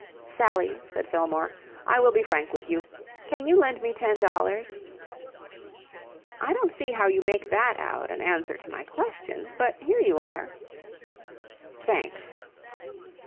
"Sally," said Fillmore, "I will be frank with you. Can you lend me ten dollars?" "I don't see how you make that out an answer to my question, but here you are." "Thanks."